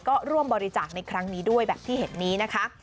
ก็ร่วมบริจาคในครั้งนี้ด้วยแบบที่เห็นนี้นะคะ